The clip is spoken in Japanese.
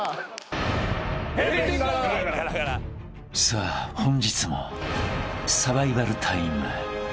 ［さあ本日もサバイバルタイム］